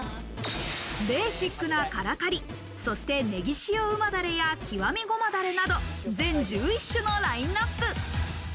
ベーシックなからカリ、そしてねぎ塩旨ダレや極みゴマだれなど、全１１種のラインナップ。